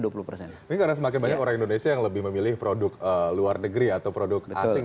ini karena semakin banyak orang indonesia yang lebih memilih produk luar negeri atau produk asing daripada produk dalam negeri begitu ya